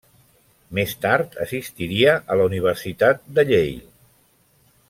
Més tard assistiria a la Universitat Yale.